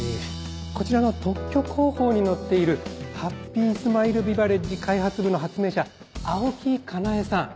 こちらの特許公報に載っているハッピースマイルビバレッジ開発部の発明者青木香苗さん。